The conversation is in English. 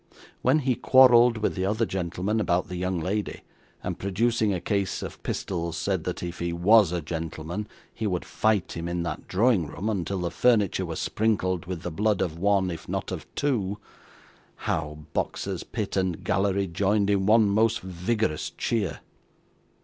When he quarrelled with the other gentleman about the young lady, and producing a case of pistols, said, that if he WAS a gentleman, he would fight him in that drawing room, until the furniture was sprinkled with the blood of one, if not of two how boxes, pit, and gallery, joined in one most vigorous cheer!